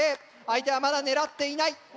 相手はまだ狙っていない。